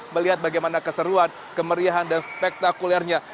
melihat bagaimana keseruan kemeriahan dan spektakulernya